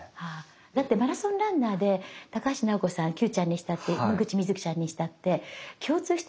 だってマラソンランナーで高橋尚子さんＱちゃんにしたって野口みずきちゃんにしたって共通してるのは胃が強いもん。